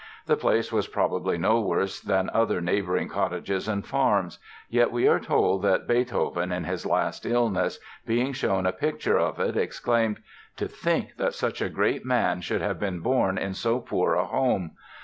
The place was probably no worse than other neighboring cottages and farms; yet we are told that Beethoven, in his last illness, being shown a picture of it, exclaimed: "To think that such a great man should have been born in so poor a home!"